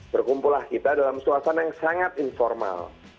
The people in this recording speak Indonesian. berkumpullah kita dalam suasana yang sangat informal